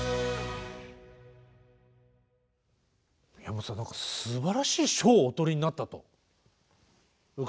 宮本さん何かすばらしい賞をお取りになったと伺いました。